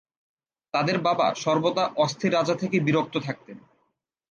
তাদের বাবা সর্বদা অস্থির রাজা থেকে বিরক্ত থাকতেন।